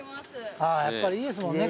やっぱりいいですもんね